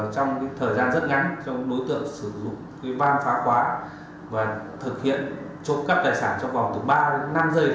trong thời gian rất ngắn đối tượng sử dụng vam pháo khóa và thực hiện trộm cắp tài sản trong vòng từ ba đến năm giây